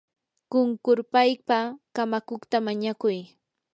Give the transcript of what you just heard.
qunqurpaypa kamakuqta mañakuy.